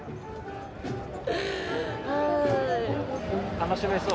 楽しめそう？